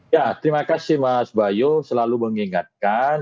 ya terima kasih mas bayu selalu mengingatkan